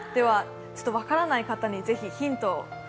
分からない方にヒントを。